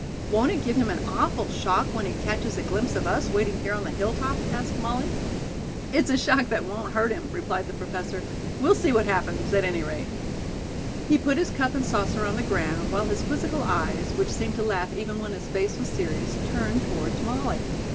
"Won't it give him an awful shock when he catches a glimpse of us waiting here on the hilltop?" asked Molly. "It's a shock that won't hurt him," replied the professor. "We'll see what happens, at any rate." He put his cup and saucer on the ground, while his quizzical eyes, which seemed to laugh even when his face was serious, turned toward Molly.